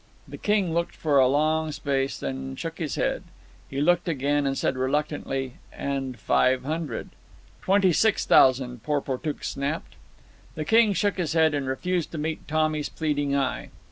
The king looked for a long space, and shook his head. He looked again, and said reluctantly, "And five hundred." "Twenty six thousand," Porportuk snapped. The king shook his head and refused to meet Tommy's pleading eye.